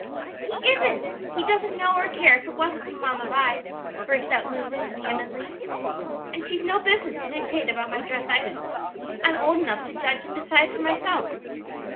"He isn't! he doesn't know or care if it wasn't for Mamma Vi," burst out Lulu vehemently. "And she's no business to dictate about my dress either. I'm old enough to judge and decide for myself."